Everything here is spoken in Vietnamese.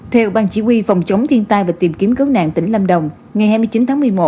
theo bang chỉ huy phòng chống thiên tai và tìm kiếm cứu nạn tỉnh lâm đồng ngày hai mươi chín tháng một mươi một